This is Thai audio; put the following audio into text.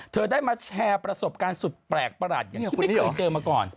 เธอได้มาแชร์ประสบการณ์สุดแปลกประหลาดอย่างที่คุณพี่เอ๋เจอมาก่อน